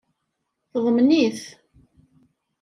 Teḍmen-it.